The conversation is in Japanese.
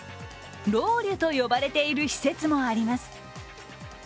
ロウリュと呼ばれている施設もあります。